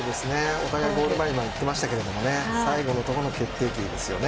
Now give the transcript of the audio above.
お互いゴール前まで行ってましたけど最後のところの決定機ですよね。